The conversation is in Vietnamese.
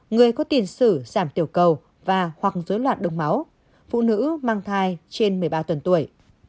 người có tiền sử giảm tiểu cầu và hoặc dối loạn đông máu phụ nữ mang thai trên một mươi ba tuần tuổi